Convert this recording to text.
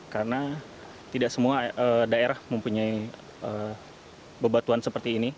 karena tidak semua daerah mempunyai bebatuan seperti ini